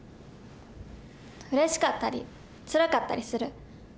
うれしかったりつらかったりする。